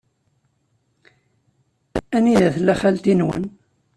Anida tella xalti-nwen?